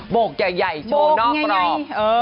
โกกใหญ่โชว์นอกกรอบ